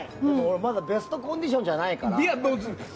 まだベストコンディションじゃないから。